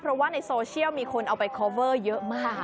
เพราะว่าในโซเชียลมีคนเอาไปคอเวอร์เยอะมาก